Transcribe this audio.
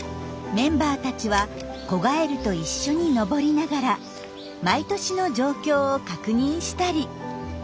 メンバーたちは子ガエルと一緒に登りながら毎年の状況を確認したり。